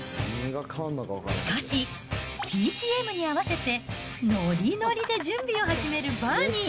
しかし、ＢＧＭに合わせてノリノリで準備を始めるバーニー。